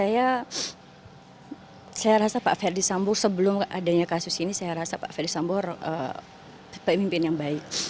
ya saya rasa pak ferdis sambur sebelum adanya kasus ini saya rasa pak ferdis sambur pemimpin yang baik